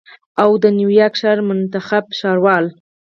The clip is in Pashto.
او د نیویارک ښار منتخب ښاروال